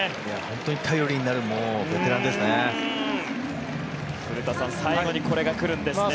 本当に頼りになるベテランですね。